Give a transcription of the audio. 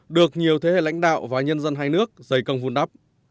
được nhiều thế hệ lãnh đạo và nhân dân hai nước dày công vun đắp